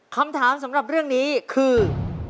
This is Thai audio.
คำถามสำหรับเรื่องนี้คือ